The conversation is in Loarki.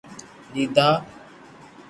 ڏیڌا